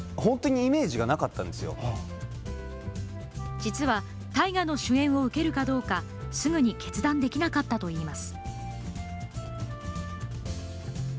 実は、大河の主演を受けるかどうか、すぐに決断できなかったといいます。